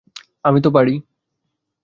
আমি তো পারি।